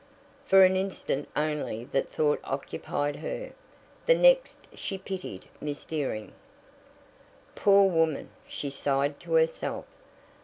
For an instant only that thought occupied her. The next she pitied Miss Dearing. "Poor woman!" she sighed to herself.